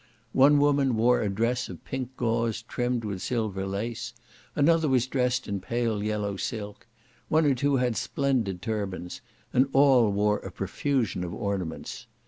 One woman wore a dress of pink gauze trimmed with silver lace; another was dressed in pale yellow silk; one or two had splendid turbans; and all wore a profusion of ornaments.